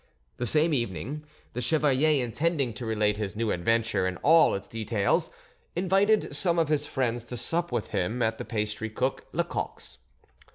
The same evening, the chevalier, intending to relate his new adventure in all its details, invited some of his friends to sup with him at the pastrycook Lecoq's.